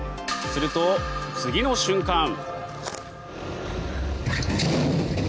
すると、次の瞬間。